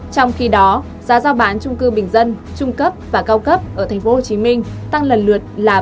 trong khi đó giá giao bán trung cư bình dân trung cấp và cao cấp ở tp hcm tăng lần lượt là ba năm năm và tám